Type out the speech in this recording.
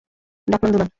ডাকনাম দুলাল।